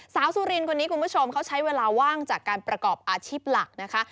สุรินคนนี้คุณผู้ชมเขาใช้เวลาว่างจากการประกอบอาชีพหลักนะคะ